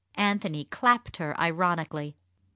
Anthony clapped her ironically.